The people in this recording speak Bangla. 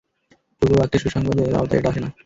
পূর্ব বাক্যের সুসংবাদের আওতায় এটা আসে না।